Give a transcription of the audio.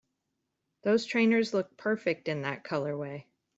Those trainers look perfect in that colorway!